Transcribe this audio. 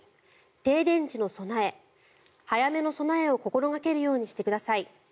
停電時の備え早めの備えを心掛けるようにしてください。